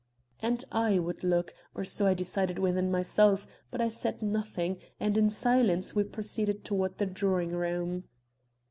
And I would look, or so I decided within myself, but I said nothing; and in silence we proceeded toward the drawing room.